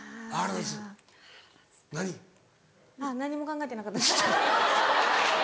あっ何も考えてなかったです。